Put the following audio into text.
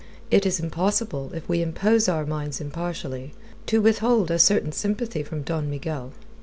It is impossible, if we impose our minds impartially, to withhold a certain sympathy from Don Miguel.